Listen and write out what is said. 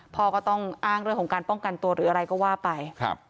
พ่อก็ต้องอ้างเรื่องของการป้องกันตัวหรืออะไรก็ว่าไป